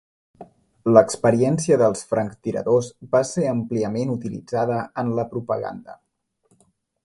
L'experiència dels franctiradors va ser àmpliament utilitzada en la propaganda.